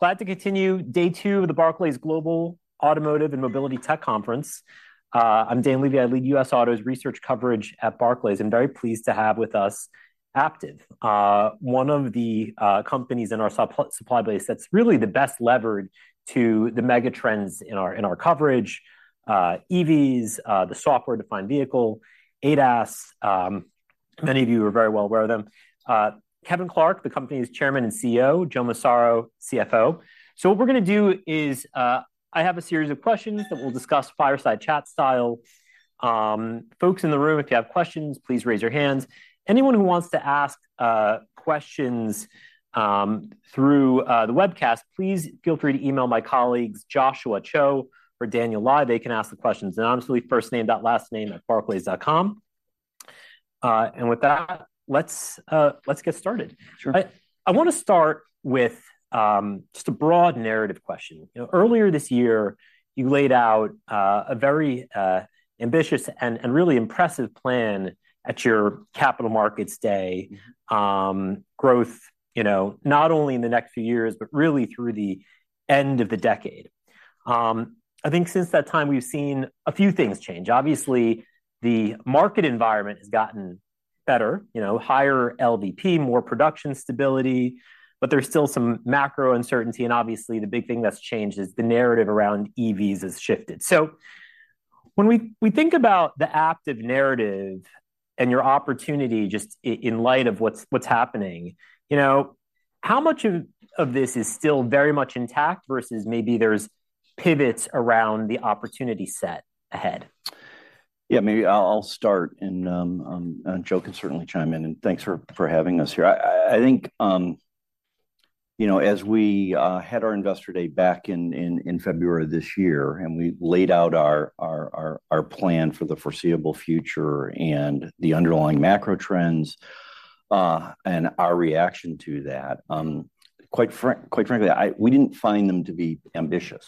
Glad to continue day two of the Barclays Global Automotive and Mobility Tech Conference. I'm Dan Levy, I lead US Autos Research Coverage at Barclays. I'm very pleased to have with us Aptiv, one of the companies in our supply base that's really the best levered to the mega trends in our coverage. EVs, the software-defined vehicle, ADAS, many of you are very well aware of them. Kevin Clark, the company's Chairman and CEO, Joe Massaro, CFO. So what we're gonna do is, I have a series of questions that we'll discuss fireside chat style. Folks in the room, if you have questions, please raise your hands. Anyone who wants to ask questions through the webcast, please feel free to email my colleagues, Joshua Cho or Daniel Lai. They can ask the questions, and obviously, first name.last name@barclays.com. And with that, let's get started. Sure. I wanna start with just a broad narrative question. You know, earlier this year, you laid out a very ambitious and really impressive plan at your capital markets day. Growth, you know, not only in the next few years, but really through the end of the decade. I think since that time, we've seen a few things change. Obviously, the market environment has gotten better, you know, higher LVP, more production stability, but there's still some macro uncertainty, and obviously, the big thing that's changed is the narrative around EVs has shifted. So when we think about the Aptiv narrative and your opportunity, just in light of what's happening, you know, how much of this is still very much intact versus maybe there's pivots around the opportunity set ahead? Yeah, maybe I'll start, and Joe can certainly chime in, and thanks for having us here. I think, you know, as we had our Investor Day back in February this year, and we laid out our plan for the foreseeable future and the underlying macro trends, and our reaction to that. Quite frankly, we didn't find them to be ambitious.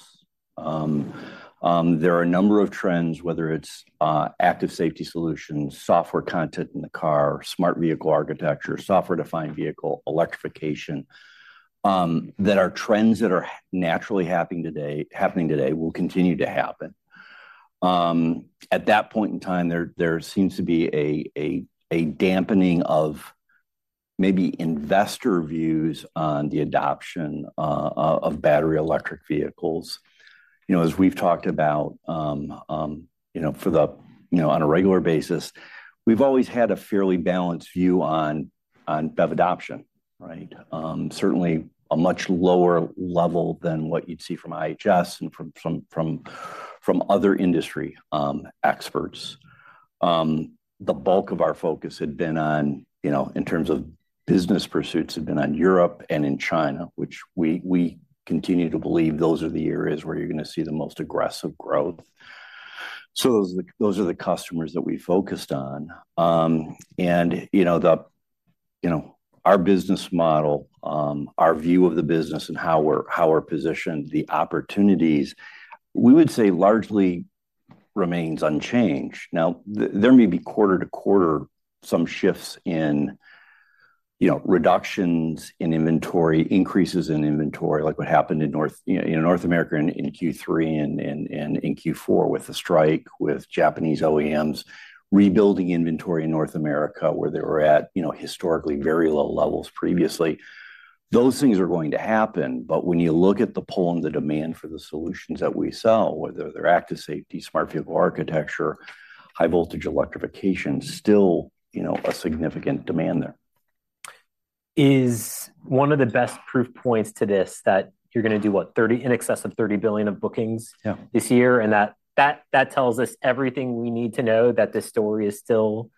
There are a number of trends, whether it's active safety solutions, software content in the car, Smart Vehicle Architecture, software-defined vehicle, electrification, that are trends that are naturally happening today, happening today, will continue to happen. At that point in time, there seems to be a dampening of maybe investor views on the adoption of battery electric vehicles. You know, as we've talked about, you know, on a regular basis, we've always had a fairly balanced view on BEV adoption, right? Certainly, a much lower level than what you'd see from IHS and from other industry experts. The bulk of our focus had been on, you know, in terms of business pursuits, had been on Europe and in China, which we continue to believe those are the areas where you're gonna see the most aggressive growth. So those are the customers that we focused on. And, you know, our business model, our view of the business and how we're positioned, the opportunities, we would say, largely remains unchanged. Now, there may be quarter to quarter, some shifts in, you know, reductions in inventory, increases in inventory, like what happened in North, you know, in North America in Q3 and in Q4 with the strike, with Japanese OEMs, rebuilding inventory in North America, where they were at, you know, historically very low levels previously. Those things are going to happen, but when you look at the pull and the demand for the solutions that we sell, whether they're Active Safety, Smart Vehicle Architecture, high voltage electrification, still, you know, a significant demand there. Is one of the best proof points to this, that you're gonna do, what? In excess of $30 billion of bookings- Yeah. this year, and that tells us everything we need to know, that this story is still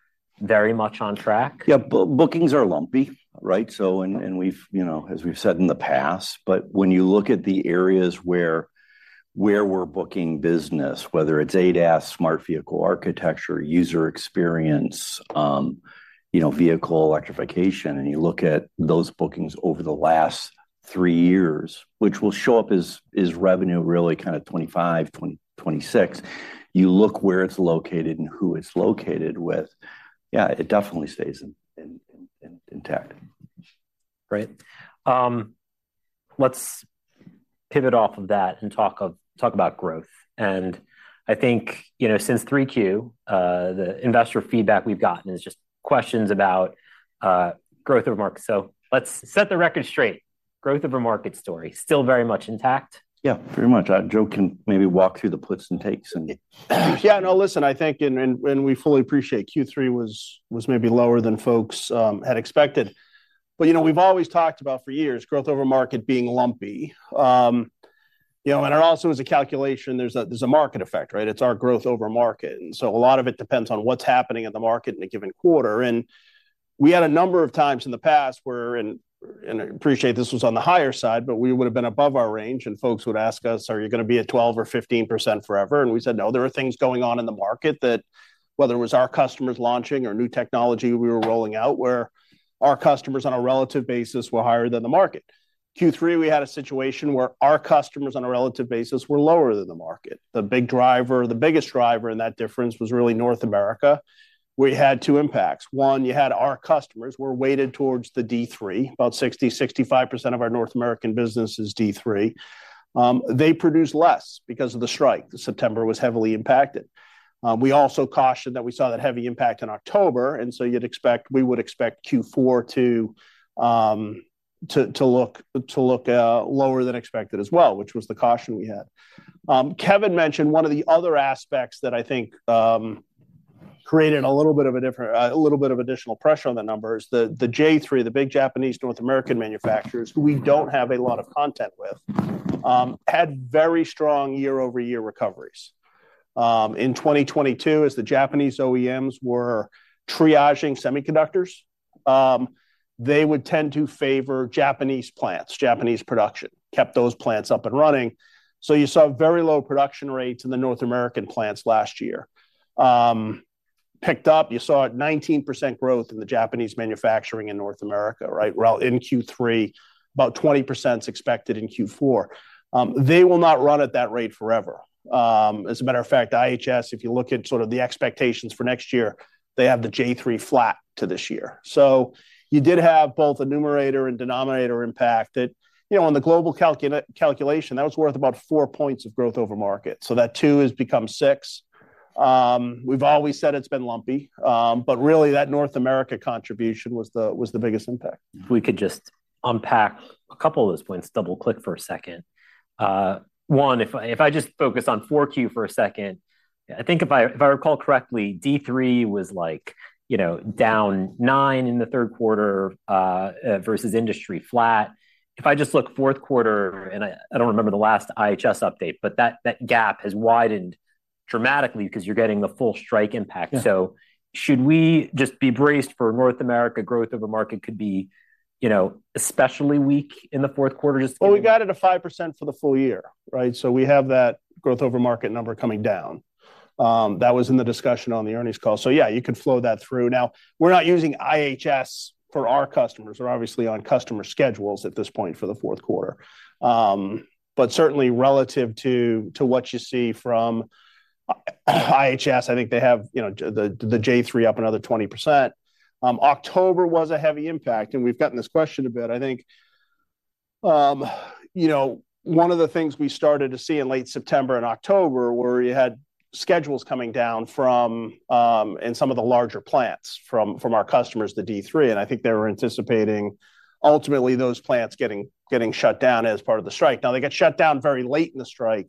very much on track? Yeah, bookings are lumpy, right? So, and we've, you know, as we've said in the past, but when you look at the areas where we're booking business, whether it's ADAS, smart vehicle architecture, user experience, you know, vehicle electrification, and you look at those bookings over the last three years, which will show up as revenue, really, kind of 2025, 2026. You look where it's located and who it's located with, yeah, it definitely stays intact. Great. Let's pivot off of that and talk about growth. And I think, you know, since 3Q, the investor feedback we've gotten is just questions about growth over market. So let's set the record straight. Growth over market story, still very much intact? Yeah, very much. Joe can maybe walk through the puts and takes and... Yeah, no, listen, I think we fully appreciate Q3 was maybe lower than folks had expected. But, you know, we've always talked about, for years, growth over market being lumpy. You know, and it also is a calculation. There's a market effect, right? It's our growth over market, and so a lot of it depends on what's happening in the market in a given quarter. And we had a number of times in the past where, and I appreciate this was on the higher side, but we would've been above our range, and folks would ask us, "Are you gonna be at 12% or 15% forever?" And we said, "No, there are things going on in the market that, whether it was our customers launching or new technology we were rolling out, where our customers, on a relative basis, were higher than the market."... Q3, we had a situation where our customers, on a relative basis, were lower than the market. The big driver, the biggest driver in that difference was really North America, where we had two impacts. One, you had our customers were weighted towards the D3. About 60-65% of our North American business is D3. They produced less because of the strike. September was heavily impacted. We also cautioned that we saw that heavy impact in October, and so we would expect Q4 to look lower than expected as well, which was the caution we had. Kevin mentioned one of the other aspects that I think created a little bit of additional pressure on the numbers. The J3, the big Japanese North American manufacturers, who we don't have a lot of content with, had very strong year-over-year recoveries. In 2022, as the Japanese OEMs were triaging semiconductors, they would tend to favor Japanese plants. Japanese production. Kept those plants up and running, so you saw very low production rates in the North American plants last year. Picked up, you saw a 19% growth in the Japanese manufacturing in North America, right? Well, in Q3, about 20%'s expected in Q4. They will not run at that rate forever. As a matter of fact, IHS, if you look at sort of the expectations for next year, they have the J3 flat to this year. So you did have both a numerator and denominator impact that, you know, on the global calculation, that was worth about four points of growth over market. So that 2 has become 6. We've always said it's been lumpy, but really, that North America contribution was the biggest impact. If we could just unpack a couple of those points, double-click for a second. One, if I just focus on 4Q for a second, I think if I recall correctly, D3 was, like, you know, down 9 in the third quarter versus industry flat. If I just look fourth quarter, and I don't remember the last IHS update, but that gap has widened dramatically because you're getting the full strike impact. Yeah. Should we just be braced for North America growth over market could be, you know, especially weak in the fourth quarter, just- Well, we guided to 5% for the full year, right? So we have that growth over market number coming down. That was in the discussion on the earnings call. So yeah, you could flow that through. Now, we're not using IHS for our customers. We're obviously on customer schedules at this point for the fourth quarter. But certainly relative to what you see from IHS, I think they have, you know, the J3 up another 20%. October was a heavy impact, and we've gotten this question a bit. I think you know, one of the things we started to see in late September and October where you had schedules coming down from... In some of the larger plants from our customers, the D3, and I think they were anticipating ultimately those plants getting shut down as part of the strike. Now, they got shut down very late in the strike,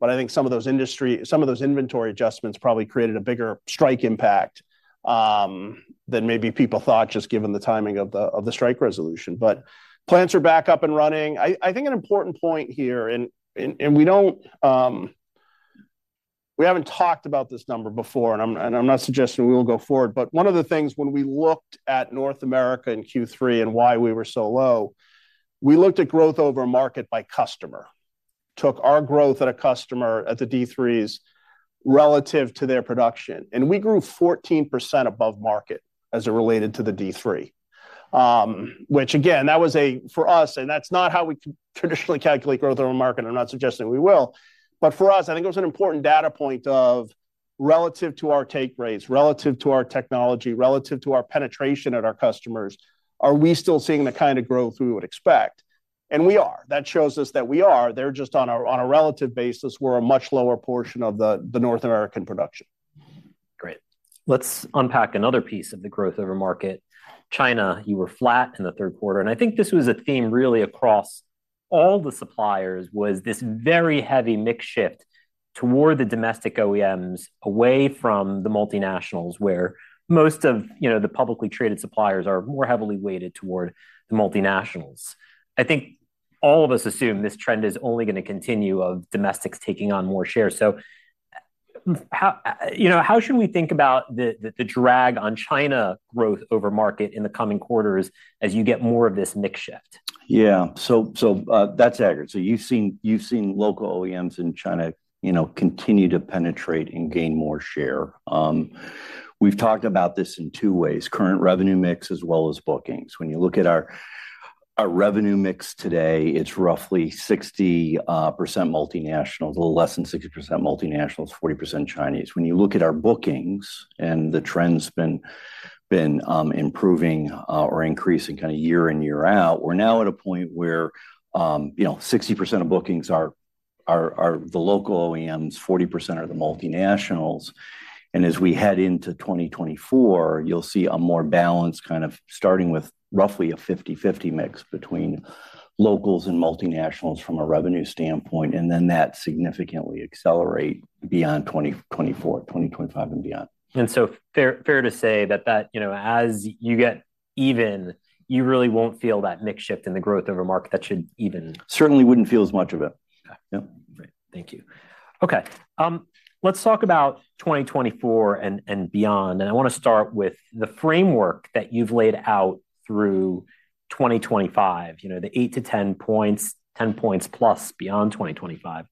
but I think some of those inventory adjustments probably created a bigger strike impact than maybe people thought, just given the timing of the strike resolution. But plants are back up and running. I think an important point here, and we don't. We haven't talked about this number before, and I'm not suggesting we will go forward, but one of the things when we looked at North America in Q3 and why we were so low, we looked at growth over market by customer. Took our growth at a customer, at the D3s, relative to their production, and we grew 14% above market as it related to the D3. Which again, for us, and that's not how we traditionally calculate growth over market. I'm not suggesting we will. But for us, I think it was an important data point of relative to our take rates, relative to our technology, relative to our penetration at our customers, are we still seeing the kind of growth we would expect? And we are. That shows us that we are. They're just on a relative basis, we're a much lower portion of the North American production. Great. Let's unpack another piece of the growth over market. China, you were flat in the third quarter, and I think this was a theme really across all the suppliers, was this very heavy mix shift toward the domestic OEMs, away from the multinationals, where most of, you know, the publicly traded suppliers are more heavily weighted toward the multinationals. I think all of us assume this trend is only gonna continue, of domestics taking on more shares. So, you know, how, you know, how should we think about the, the, the drag on China growth over market in the coming quarters as you get more of this mix shift? Yeah. So that's accurate. So you've seen local OEMs in China, you know, continue to penetrate and gain more share. We've talked about this in two ways: current revenue mix, as well as bookings. When you look at our revenue mix today, it's roughly 60% multinational, a little less than 60% multinational, it's 40% Chinese. When you look at our bookings, and the trend's been improving or increasing kind of year in, year out, we're now at a point where, you know, 60% of bookings are the local OEMs, 40% are the multinationals. And as we head into 2024, you'll see a more balanced, kind of starting with roughly a 50/50 mix between locals and multinationals from a revenue standpoint, and then that significantly accelerate beyond 2024, 2025, and beyond. Fair to say that, you know, as you get even, you really won't feel that mix shift in the growth of a market that should even- Certainly wouldn't feel as much of it. Okay. Yeah. Great. Thank you. Okay, let's talk about 2024 and beyond, and I wanna start with the framework that you've laid out through 2025. You know, the 8-10 points, 10+ points beyond 2025.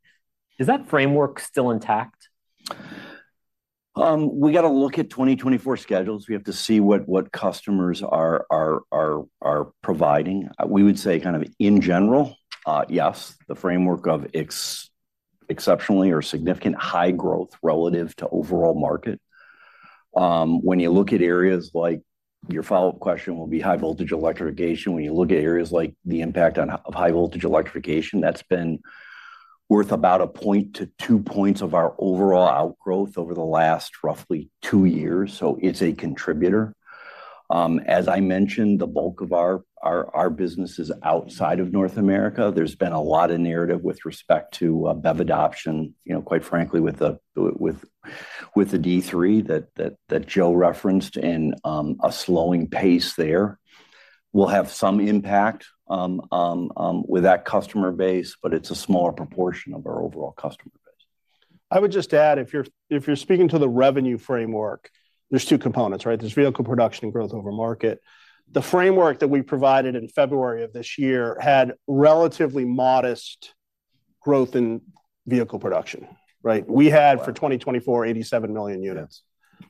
Is that framework still intact? ... We got to look at 2024 schedules. We have to see what customers are providing. We would say kind of in general, yes, the framework of exceptionally or significant high growth relative to overall market. When you look at areas like—your follow-up question will be high voltage electrification, when you look at areas like the impact on, of high voltage electrification, that's been worth about a point to two points of our overall outgrowth over the last roughly two years, so it's a contributor. As I mentioned, the bulk of our business is outside of North America. There's been a lot of narrative with respect to BEV adoption, you know, quite frankly, with the D3 that Joe referenced and a slowing pace there will have some impact with that customer base, but it's a smaller proportion of our overall customer base. I would just add, if you're speaking to the revenue framework, there's two components, right? There's vehicle production and growth over market. The framework that we provided in February of this year had relatively modest growth in vehicle production, right? We had, for 2024, 87 million units.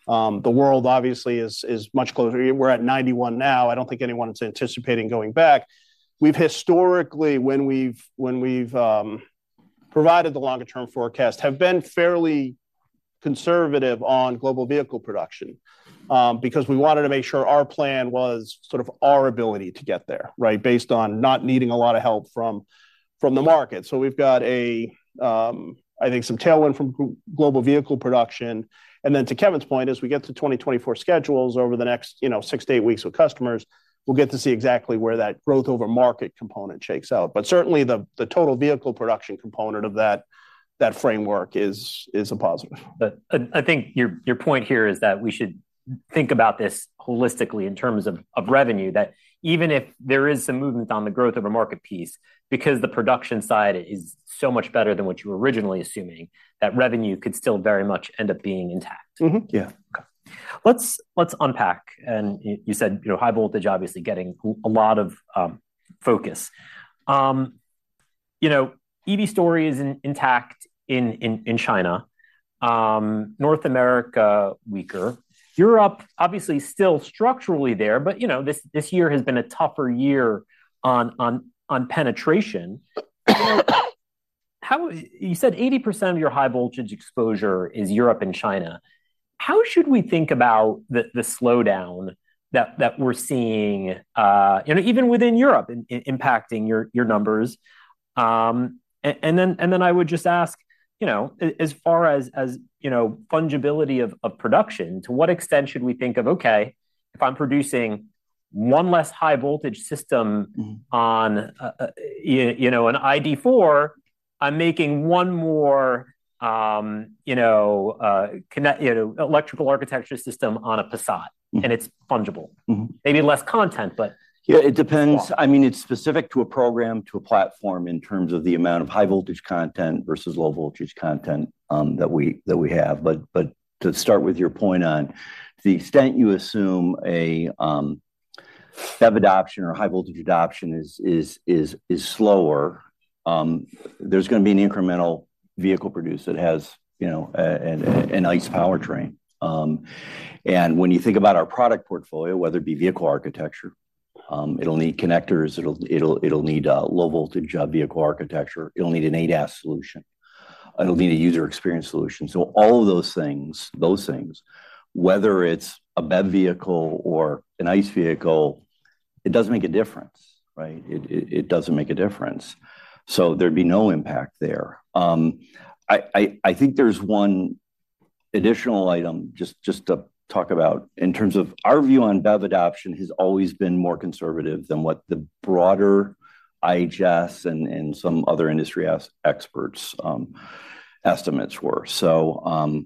The world obviously is much closer. We're at 91 now. I don't think anyone is anticipating going back. We've historically, when we've provided the longer term forecast, have been fairly conservative on global vehicle production, because we wanted to make sure our plan was sort of our ability to get there, right? Based on not needing a lot of help from the market. So we've got a, I think some tailwind from global vehicle production. And then to Kevin's point, as we get to 2024 schedules over the next, you know, 6-8 weeks with customers, we'll get to see exactly where that growth over market component shakes out. But certainly, the total vehicle production component of that framework is a positive. But I think your point here is that we should think about this holistically in terms of revenue, that even if there is some movement on the growth of a market piece, because the production side is so much better than what you were originally assuming, that revenue could still very much end up being intact. Mm-hmm. Yeah. Okay. Let's unpack, and you said, you know, high voltage, obviously, getting a lot of focus. You know, EV story is intact in China, North America, weaker. Europe, obviously, still structurally there, but, you know, this year has been a tougher year on penetration. How, you said 80% of your high voltage exposure is Europe and China. How should we think about the slowdown that we're seeing, you know, even within Europe, impacting your numbers? And then I would just ask, you know, as far as, you know, fungibility of production, to what extent should we think of, "Okay, if I'm producing one less high voltage system- Mm-hmm... on, you know, an ID.4, I'm making one more, you know, connect, you know, electrical architecture system on a Passat, and it's fungible. Mm-hmm. Maybe less content, but- Yeah, it depends. Well- I mean, it's specific to a program, to a platform, in terms of the amount of high voltage content versus low voltage content, that we have. But to start with your point on the extent you assume a BEV adoption or high voltage adoption is slower, there's going to be an incremental vehicle produced that has, you know, an ICE powertrain. And when you think about our product portfolio, whether it be vehicle architecture, it'll need connectors, it'll need a low voltage vehicle architecture, it'll need an ADAS solution, it'll need a user experience solution. So all of those things, whether it's a BEV vehicle or an ICE vehicle, it doesn't make a difference, right? It doesn't make a difference, so there'd be no impact there. I think there's one additional item just to talk about. In terms of our view on BEV adoption has always been more conservative than what the broader IHS and some other industry experts estimates were. So,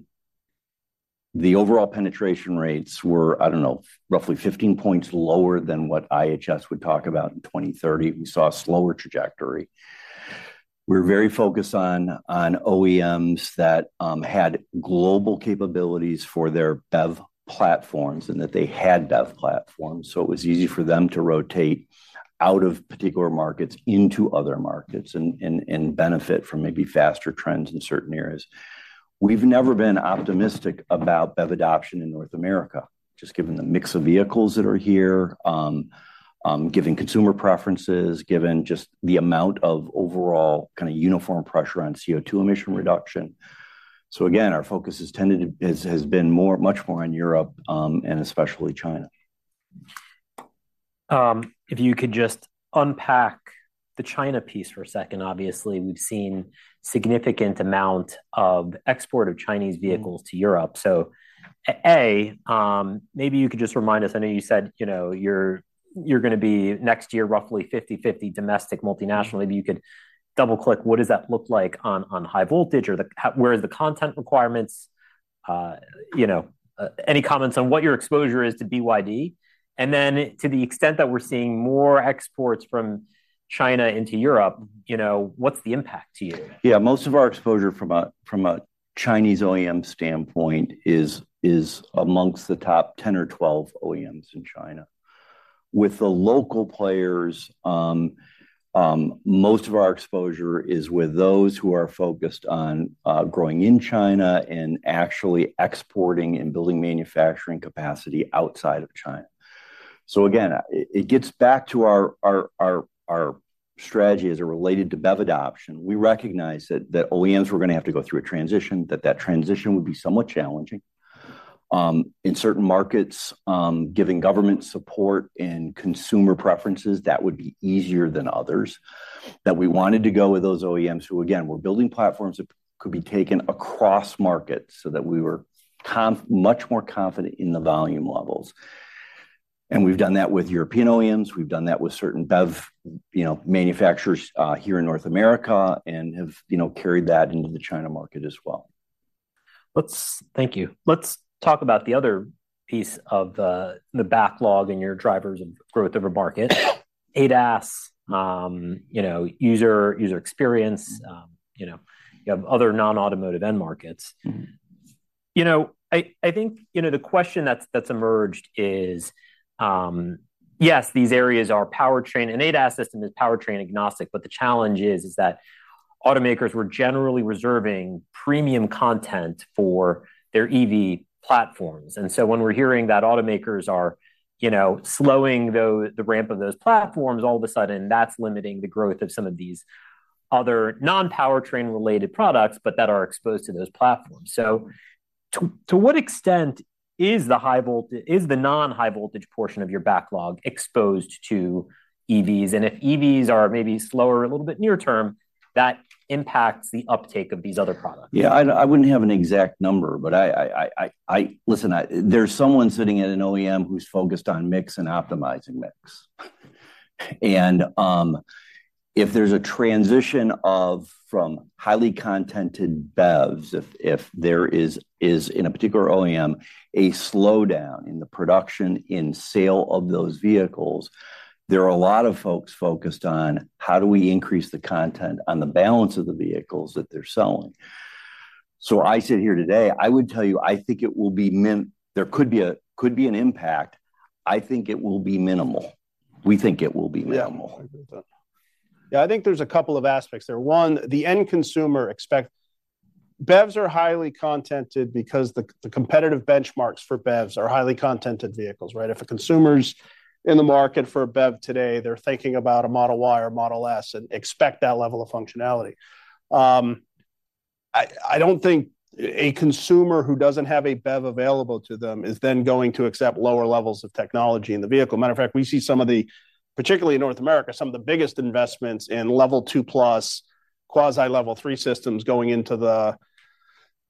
the overall penetration rates were, I don't know, roughly 15 points lower than what IHS would talk about in 2030. We saw a slower trajectory. We're very focused on OEMs that had global capabilities for their BEV platforms, and that they had BEV platforms, so it was easy for them to rotate out of particular markets into other markets and benefit from maybe faster trends in certain areas. We've never been optimistic about BEV adoption in North America, just given the mix of vehicles that are here, given consumer preferences, given just the amount of overall kind of uniform pressure on CO2 emission reduction. So again, our focus has tended to be much more on Europe, and especially China. If you could just unpack the China piece for a second. Obviously, we've seen significant amount of export of Chinese vehicles- Mm. -to Europe. So, A, maybe you could just remind us. I know you said, you know, you're going to be next year roughly 50/50 domestic multinational. Maybe you could double-click, what does that look like on high voltage or where the content requirements? You know, any comments on what your exposure is to BYD? And then to the extent that we're seeing more exports from China into Europe, you know, what's the impact to you? Yeah, most of our exposure from a, from a Chinese OEM standpoint is, is amongst the top 10 or 12 OEMs in China. With the local players, most of our exposure is with those who are focused on growing in China and actually exporting and building manufacturing capacity outside of China. So again, it gets back to our strategy as it related to BEV adoption. We recognize that OEMs were going to have to go through a transition, that that transition would be somewhat challenging. In certain markets, giving government support and consumer preferences, that would be easier than others. That we wanted to go with those OEMs who, again, were building platforms that could be taken across markets so that we were much more confident in the volume levels. We've done that with European OEMs, we've done that with certain BEV, you know, manufacturers here in North America, and have, you know, carried that into the China market as well. Thank you. Let's talk about the other piece of the backlog and your drivers of growth over market. ADAS, you know, User Experience, you know, you have other non-automotive end markets. Mm-hmm. You know, I think, you know, the question that's emerged is, yes, these areas are powertrain, and ADAS system is powertrain agnostic, but the challenge is that automakers were generally reserving premium content for their EV platforms. And so, when we're hearing that automakers are, you know, slowing the ramp of those platforms, all of a sudden, that's limiting the growth of some of these other non-powertrain-related products, but that are exposed to those platforms. So, to what extent is the non-high voltage portion of your backlog exposed to EVs? And if EVs are maybe slower a little bit near term, that impacts the uptake of these other products. Yeah, I wouldn't have an exact number, but... Listen, there's someone sitting at an OEM who's focused on mix and optimizing mix. And if there's a transition of, from highly contented BEVs, if there is in a particular OEM, a slowdown in the production in sale of those vehicles, there are a lot of folks focused on: How do we increase the content on the balance of the vehicles that they're selling? So I sit here today, I would tell you, I think it will be there could be an impact. I think it will be minimal. We think it will be minimal. Yeah, I agree with that. Yeah, I think there's a couple of aspects there. One, the end consumer expect... BEVs are highly contented because the competitive benchmarks for BEVs are highly contented vehicles, right? If a consumer's in the market for a BEV today, they're thinking about a Model Y or a Model S and expect that level of functionality. I don't think a consumer who doesn't have a BEV available to them is then going to accept lower levels of technology in the vehicle. Matter of fact, we see some of the, particularly in North America, some of the biggest investments in Level 2 plus, quasi-Level 3 systems going into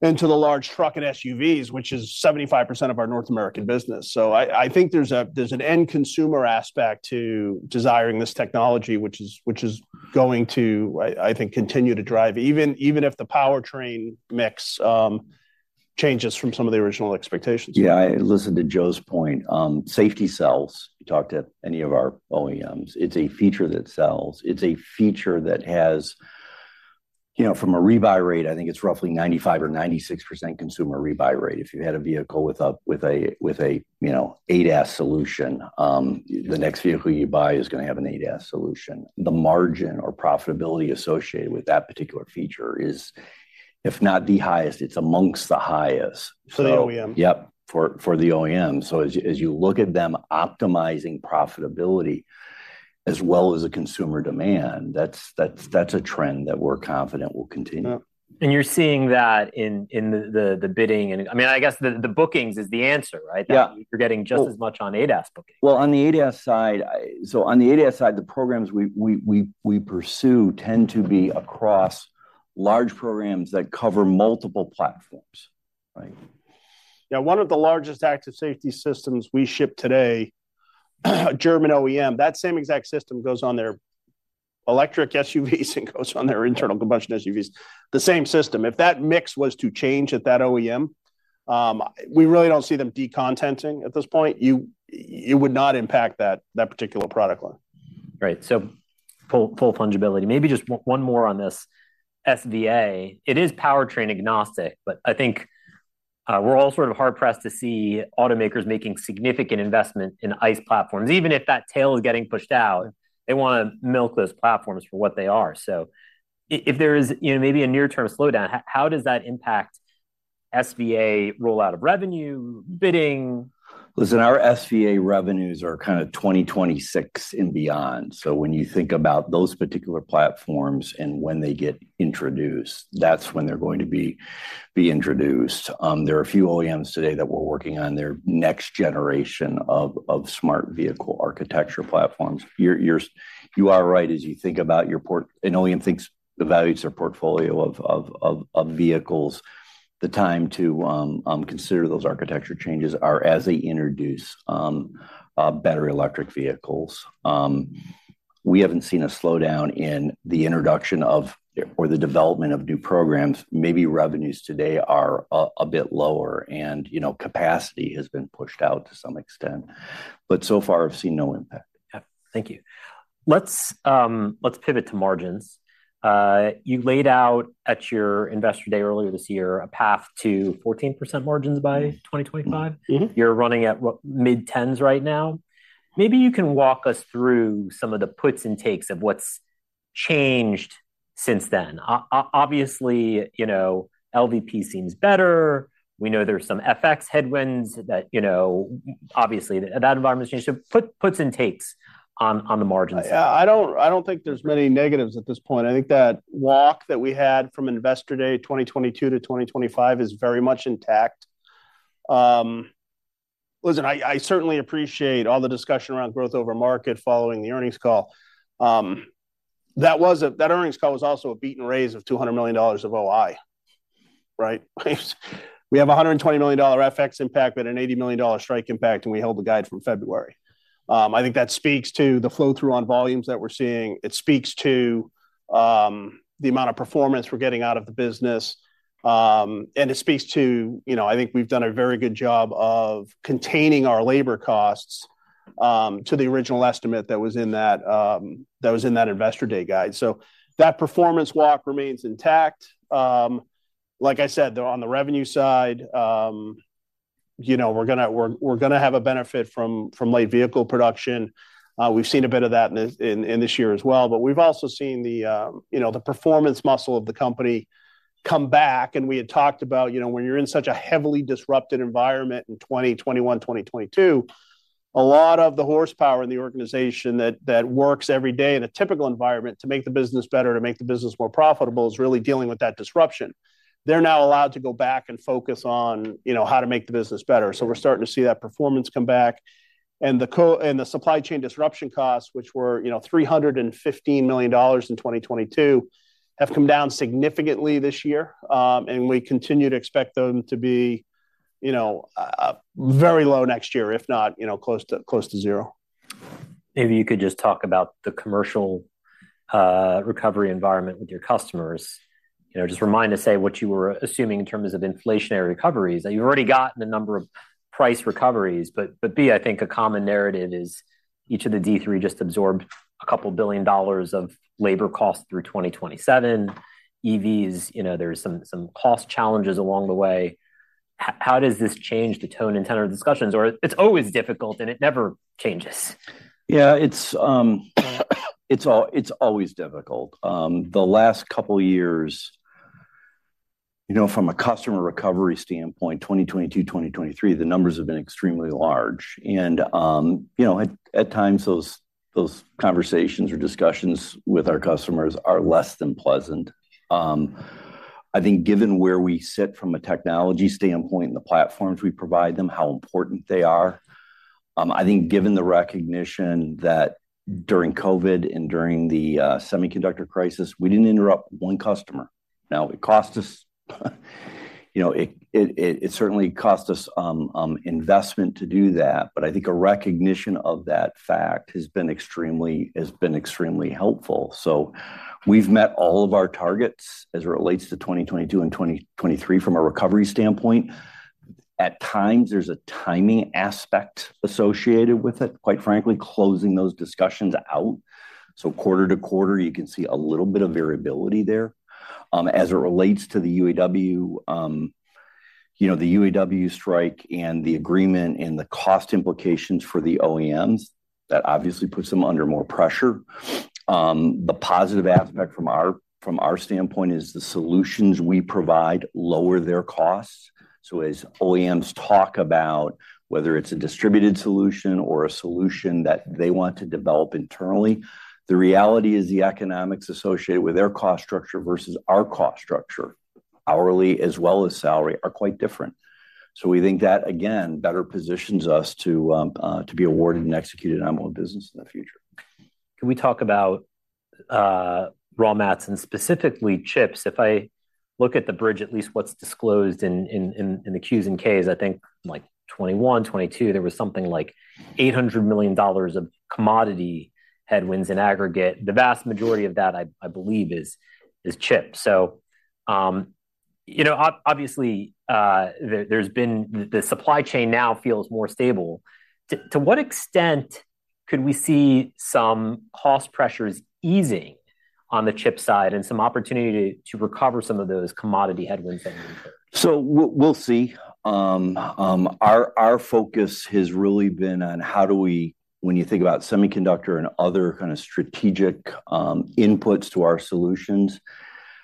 the large truck and SUVs, which is 75% of our North American business. So I think there's an end consumer aspect to desiring this technology, which is going to, I think, continue to drive, even if the powertrain mix changes from some of the original expectations. Yeah, listen to Joe's point. Safety sells. You talk to any of our OEMs, it's a feature that sells. It's a feature that has, you know, from a rebuy rate, I think it's roughly 95% or 96% consumer rebuy rate. If you had a vehicle with a you know ADAS solution, the next vehicle you buy is going to have an ADAS solution. The margin or profitability associated with that particular feature is, if not the highest, it's amongst the highest. For the OEM. Yep, for the OEM. So as you look at them optimizing profitability as well as the consumer demand, that's a trend that we're confident will continue. Yeah. You're seeing that in the bidding and—I mean, I guess the bookings is the answer, right? Yeah. You're getting just as much on ADAS bookings. Well, on the ADAS side, the programs we pursue tend to be across large programs that cover multiple platforms, right? Yeah, one of the largest active safety systems we ship today, a German OEM, that same exact system goes on their electric SUVs and goes on their internal combustion SUVs. The same system. If that mix was to change at that OEM, we really don't see them decontenting at this point. It would not impact that particular product line. Right. So full, full fungibility. Maybe just one, one more on this SVA. It is powertrain agnostic, but I think, we're all sort of hard-pressed to see automakers making significant investment in ICE platforms. Even if that tail is getting pushed out, they want to milk those platforms for what they are. So if there is, you know, maybe a near-term slowdown, how does that impact SVA rollout of revenue, bidding? Listen, our SVA revenues are kind of 2026 and beyond. So when you think about those particular platforms and when they get introduced, that's when they're going to be introduced. There are a few OEMs today that we're working on their next generation of Smart Vehicle Architecture platforms. You are right, as you think about your portfolio. An OEM thinks, evaluates their portfolio of vehicles, the time to consider those architecture changes are as they introduce battery electric vehicles. We haven't seen a slowdown in the introduction of or the development of new programs. Maybe revenues today are a bit lower and, you know, capacity has been pushed out to some extent, but so far, I've seen no impact. Yeah. Thank you. Let's pivot to margins. You laid out at your Investor Day earlier this year, a path to 14% margins by 2025. Mm-hmm. You're running at what? Mid-tens right now. Maybe you can walk us through some of the puts and takes of what's changed since then. Obviously, you know, LVP seems better. We know there are some FX headwinds that, you know, obviously, that environment has changed. So puts and takes on the margins. I don't think there's many negatives at this point. I think that walk that we had from Investor Day 2022 to 2025 is very much intact. Listen, I certainly appreciate all the discussion around growth over market following the earnings call. That earnings call was also a beat and raise of $200 million of OI, right? We have a $120 million FX impact, but an $80 million strike impact, and we held the guide from February. I think that speaks to the flow-through on volumes that we're seeing. It speaks to the amount of performance we're getting out of the business. It speaks to, you know, I think we've done a very good job of containing our labor costs to the original estimate that was in that Investor Day guide. So that performance walk remains intact. Like I said, though, on the revenue side, you know, we're gonna have a benefit from light vehicle production. We've seen a bit of that in this year as well, but we've also seen you know, the performance muscle of the company come back, and we had talked about, you know, when you're in such a heavily disrupted environment in 2021, 2022, a lot of the horsepower in the organization that works every day in a typical environment to make the business better, to make the business more profitable, is really dealing with that disruption. They're now allowed to go back and focus on, you know, how to make the business better. So we're starting to see that performance come back. And the supply chain disruption costs, which were, you know, $315 million in 2022, have come down significantly this year. We continue to expect them to be, you know, very low next year, if not, you know, close to, close to zero. Maybe you could just talk about the commercial recovery environment with your customers. You know, just remind us, say, what you were assuming in terms of inflationary recoveries. You've already gotten a number of price recoveries, but, but, I think a common narrative is each of the D3 just absorbed $2 billion of labor costs through 2027. EVs, you know, there are some, some cost challenges along the way. How does this change the tone and tenor of discussions, or it's always difficult, and it never changes? Yeah, it's always difficult. The last couple years, you know, from a customer recovery standpoint, 2022, 2023, the numbers have been extremely large, and, you know, at times, those conversations or discussions with our customers are less than pleasant. I think given where we sit from a technology standpoint and the platforms we provide them, how important they are, I think given the recognition that during COVID and during the semiconductor crisis, we didn't interrupt one customer. Now, it cost us, you know, it certainly cost us investment to do that, but I think a recognition of that fact has been extremely helpful. So we've met all of our targets as it relates to 2022 and 2023 from a recovery standpoint. At times, there's a timing aspect associated with it, quite frankly, closing those discussions out. So quarter to quarter, you can see a little bit of variability there. As it relates to the UAW, you know, the UAW strike, and the agreement, and the cost implications for the OEMs, that obviously puts them under more pressure. The positive aspect from our, from our standpoint is the solutions we provide lower their costs. So as OEMs talk about whether it's a distributed solution or a solution that they want to develop internally, the reality is the economics associated with their cost structure versus our cost structure, hourly as well as salary, are quite different. So we think that, again, better positions us to, to be awarded and execute an annual business in the future. Can we talk about raw mats and specifically chips? If I look at the bridge, at least what's disclosed in the Qs and Ks, I think, like, 2021, 2022, there was something like $800 million of commodity headwinds in aggregate. The vast majority of that, I believe, is chips. So, you know, obviously, the supply chain now feels more stable. To what extent could we see some cost pressures easing on the chip side and some opportunity to recover some of those commodity headwinds that you mentioned? So we'll see. Our focus has really been on how do we—when you think about semiconductor and other kind of strategic inputs to our solutions,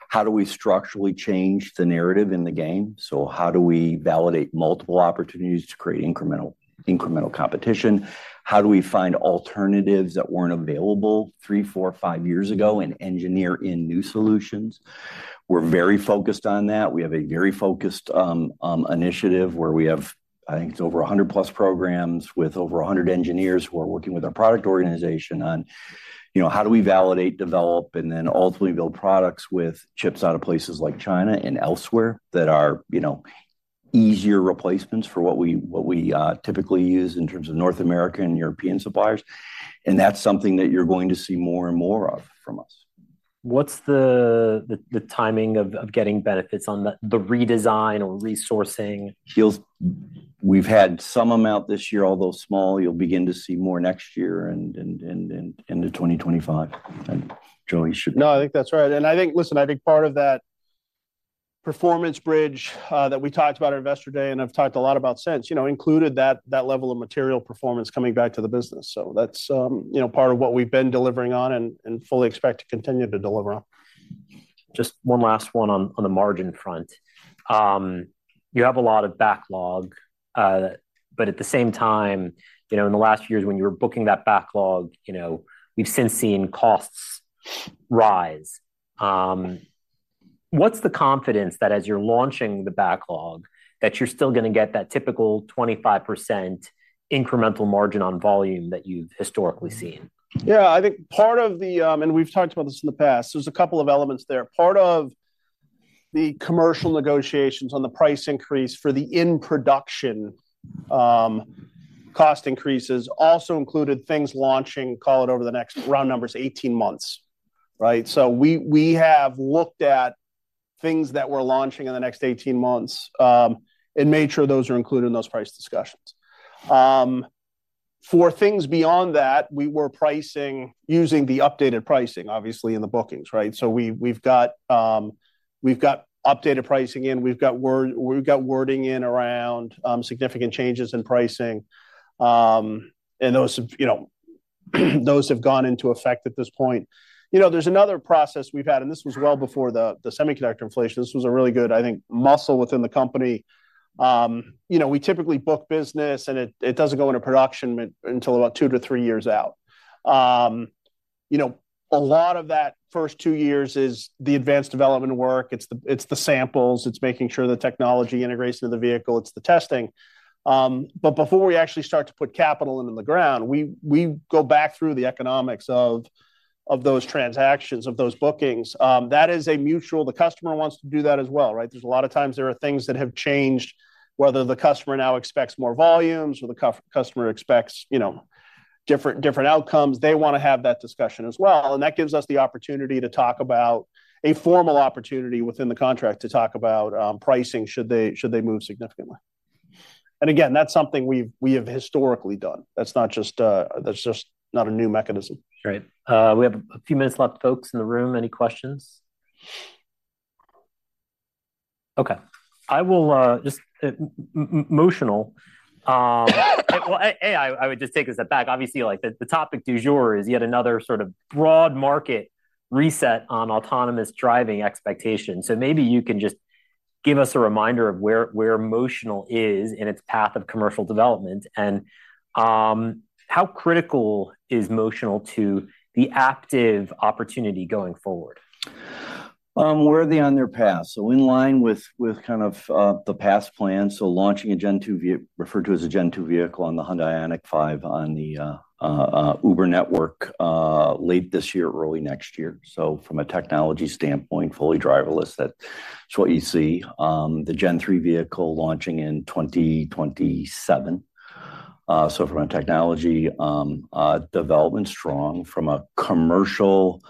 how do we structurally change the narrative in the game? So how do we validate multiple opportunities to create incremental competition? How do we find alternatives that weren't available 3, 4, 5 years ago and engineer in new solutions? We're very focused on that. We have a very focused initiative, where we have, I think, it's over 100+ programs with over 100 engineers who are working with our product organization on, you know, how do we validate, develop, and then ultimately build products with chips out of places like China and elsewhere that are, you know, easier replacements for what we typically use in terms of North American and European suppliers. That's something that you're going to see more and more of from us. ... What's the timing of getting benefits on the redesign or resourcing? We've had some amount this year, although small. You'll begin to see more next year and into 2025. And Joey should- No, I think that's right. And I think—Listen, I think part of that performance bridge that we talked about at Investor Day, and I've talked a lot about since, you know, included that level of material performance coming back to the business. So that's, you know, part of what we've been delivering on and fully expect to continue to deliver on. Just one last one on the margin front. You have a lot of backlog, but at the same time, you know, in the last years, when you were booking that backlog, you know, we've since seen costs rise. What's the confidence that as you're launching the backlog, that you're still gonna get that typical 25% incremental margin on volume that you've historically seen? Yeah, I think part of the. We've talked about this in the past. There's a couple of elements there. Part of the commercial negotiations on the price increase for the in-production cost increases also included things launching, call it, over the next, round numbers, 18 months, right? So we have looked at things that we're launching in the next 18 months and made sure those are included in those price discussions. For things beyond that, we were pricing using the updated pricing, obviously, in the bookings, right? So we've got updated pricing in. We've got wording in around significant changes in pricing. And those, you know, those have gone into effect at this point. You know, there's another process we've had, and this was well before the semiconductor inflation. This was a really good, I think, muscle within the company. You know, we typically book business, and it doesn't go into production until about 2-3 years out. You know, a lot of that first 2 years is the advanced development work. It's the samples. It's making sure the technology integrates into the vehicle. It's the testing. But before we actually start to put capital into the ground, we go back through the economics of those transactions, of those bookings. That is a mutual. The customer wants to do that as well, right? There's a lot of times there are things that have changed, whether the customer now expects more volumes or the customer expects, you know, different outcomes. They wanna have that discussion as well, and that gives us the opportunity to talk about a formal opportunity within the contract to talk about pricing, should they move significantly. And again, that's something we've historically done. That's just not a new mechanism. Great. We have a few minutes left, folks. In the room, any questions? Okay, I will just Motional. Well, I would just take a step back. Obviously, like, the topic du jour is yet another sort of broad market reset on autonomous driving expectations. So maybe you can just give us a reminder of where Motional is in its path of commercial development, and how critical is Motional to the Aptiv opportunity going forward? We're on their path, so in line with, with kind of, the past plan, so launching a Gen 2 vehicle referred to as a Gen 2 vehicle on the Hyundai IONIQ 5 on the Uber network, late this year, early next year. So from a technology standpoint, fully driverless, that's what you see. The Gen 3 vehicle launching in 2027. So from a technology development, strong. From a commercial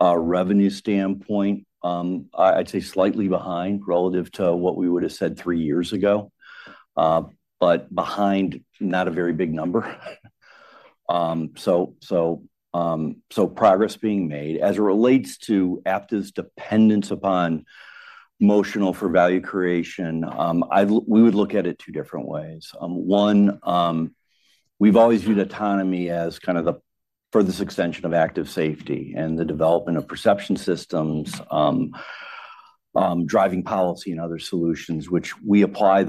revenue standpoint, I, I'd say slightly behind relative to what we would have said three years ago, but behind not a very big number. So progress being made. As it relates to Aptiv's dependence upon Motional for value creation, I'd we would look at it two different ways. We've always viewed autonomy as kind of the furthest extension of active safety and the development of perception systems, driving policy and other solutions, which we apply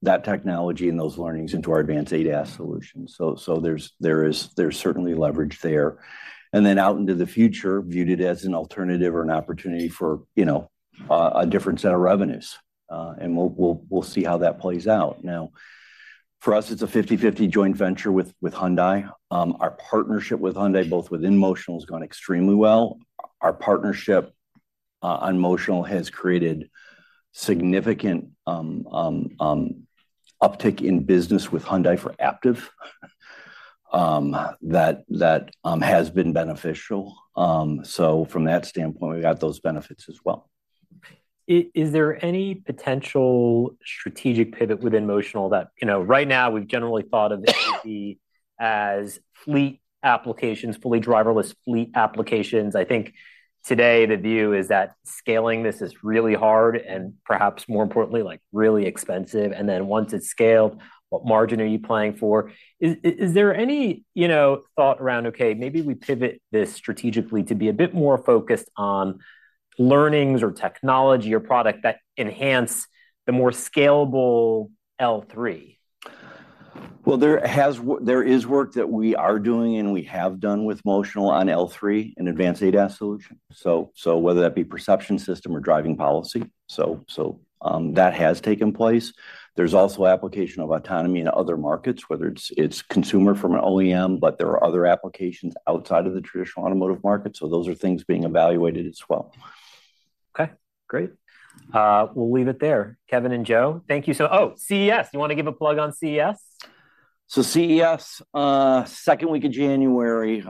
that technology and those learnings into our advanced ADAS solutions. So there's certainly leverage there. And then, out into the future, viewed it as an alternative or an opportunity for, you know, a different set of revenues. And we'll see how that plays out. Now, for us, it's a 50/50 joint venture with Hyundai. Our partnership with Hyundai, both within Motional, has gone extremely well. Our partnership on Motional has created significant uptick in business with Hyundai for Aptiv, that has been beneficial. So from that standpoint, we got those benefits as well. Is there any potential strategic pivot within Motional that... You know, right now, we've generally thought of it as fleet applications, fully driverless fleet applications. I think today the view is that scaling this is really hard and perhaps more importantly, like, really expensive, and then once it's scaled, what margin are you planning for? Is there any, you know, thought around, "Okay, maybe we pivot this strategically to be a bit more focused on learnings or technology or product that enhance the more scalable L3? Well, there is work that we are doing and we have done with Motional on L3 and advanced ADAS solutions, so, so, that has taken place. There's also application of autonomy in other markets, whether it's, it's consumer from an OEM, but there are other applications outside of the traditional automotive market, so those are things being evaluated as well. Okay, great. We'll leave it there. Kevin and Joe, thank you so-- Oh, CES, you want to give a plug on CES? So CES, second week of January.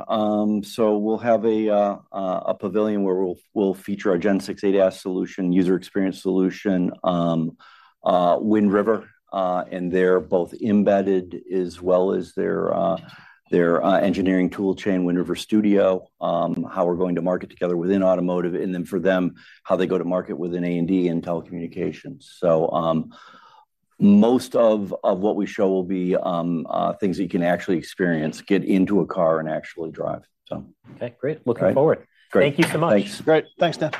So we'll have a pavilion where we'll feature our Gen 6 ADAS solution, user experience solution, Wind River, and they're both embedded as well as their engineering tool chain, Wind River Studio, how we're going to market together within automotive, and then for them, how they go to market within A&D and telecommunications. So, most of what we show will be things that you can actually experience, get into a car and actually drive. So- Okay, great. Okay. Looking forward. Great. Thank you so much. Thanks. Great. Thanks, Dan.